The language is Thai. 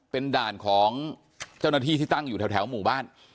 เป็นด่านของเจ้าหน้าที่ที่ตั้งอยู่แถวหมู่บ้าน